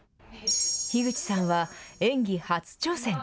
樋口さんは演技初挑戦。